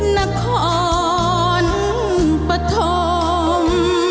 นครปฐม